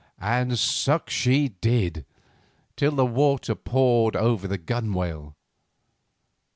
Suck she did, till the water poured over the gunwale.